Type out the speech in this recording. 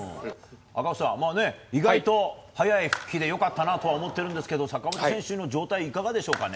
赤星さん、意外と早い復帰で良かったと思ったんですが坂本選手の状態いかがでしょうかね？